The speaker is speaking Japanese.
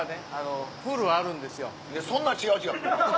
そんなん違う違う。